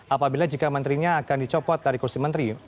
apabila jika menterinya akan dicopot dari kursi menteri